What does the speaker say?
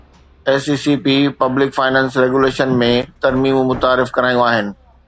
S E C P public finance regulation ۾ ترميمون متعارف ڪرايون آهن